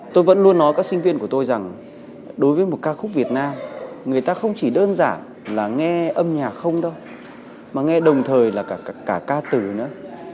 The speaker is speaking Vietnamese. tôi vẫn luôn nói các sinh viên của tôi rằng đối với một ca khúc việt nam người ta không chỉ đơn giản là nghe âm nhạc không đâu mà nghe đồng thời là cả ca từ nữa